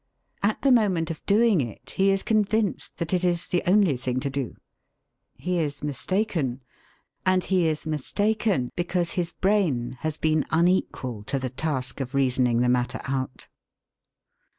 At the moment of doing it he is convinced that it is the only thing to do. He is mistaken. And he is mistaken because his brain has been unequal to the task of reasoning the matter out.